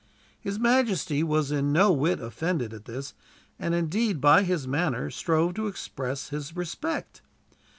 His majesty was in no whit offended at this: and indeed, by his manner, strove to express his respect.